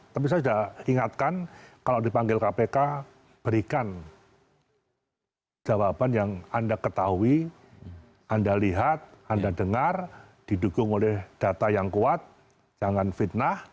tapi saya sudah ingatkan kalau dipanggil kpk berikan jawaban yang anda ketahui anda lihat anda dengar didukung oleh data yang kuat jangan fitnah